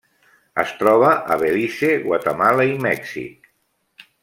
Es troba a Belize, Guatemala i Mèxic.